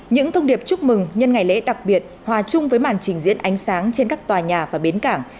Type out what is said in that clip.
những thông điệp chúc mừng nhân ngày lễ đặc biệt hòa chung với màn trình diễn ánh sáng trên các tòa nhà và bến cảng